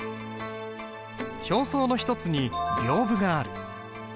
表装の一つに屏風がある。